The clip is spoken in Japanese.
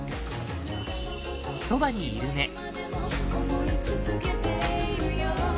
「そばにいるね」